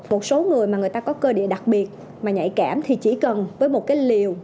một số người mà người ta có cơ địa đặc biệt mà nhạy cảm thì chỉ cần với một cái liều